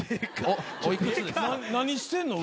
何してんの？